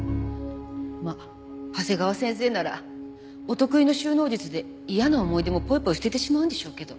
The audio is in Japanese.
まあ長谷川先生ならお得意の収納術で嫌な思い出もポイポイ捨ててしまうんでしょうけど。